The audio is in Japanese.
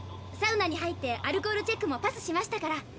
サウナに入ってアルコールチェックもパスしましたから。